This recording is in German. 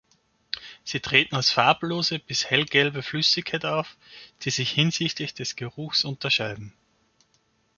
Sie treten als farblose bis hellgelbe Flüssigkeiten auf, die sich hinsichtlich des Geruchs unterscheiden.